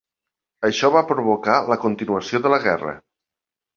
Això va provocar la continuació de la guerra.